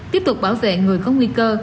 tiếp tục bảo vệ người có nguy cơ